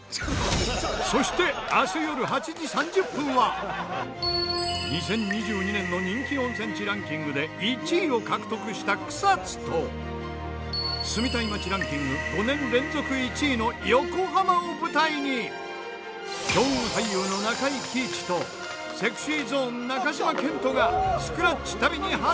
そして２０２２年の人気温泉地ランキングで１位を獲得した草津と住みたい街ランキング５年連続１位の横浜を舞台に強運俳優の中井貴一とＳｅｘｙＺｏｎｅ中島健人が。